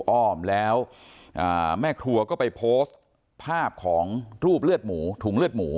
อ้อมแล้วแม่ครัวก็ไปโพสต์ภาพของรูปเลือดหมูถุงเลือดหมู